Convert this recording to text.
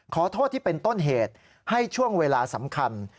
ขอโทษที่เป็นต้นเหตุให้ช่วงเวลาสำคัญ